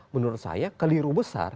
menurut saya keliru besar